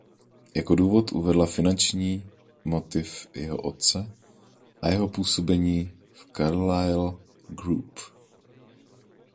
Jako důvod uvedla finanční motiv jeho otce a jeho působení v Carlyle Group.